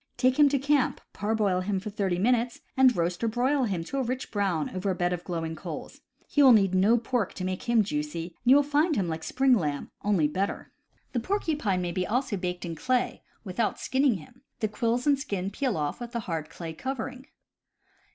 Take him to camp, parboil him for thirty minutes, and roast or broil him to a rich brown over a bed of glowing coals. He will need no pork to make him juicy, and you will find him very like spring lamb, only better." The porcupine may also be baked in clay, without 146 CAMPING AND WOODCRAFT skinning him; the quills and skin peel off with the hard clay covering.